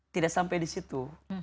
tidak sampai di situ